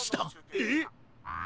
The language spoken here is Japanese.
えっ？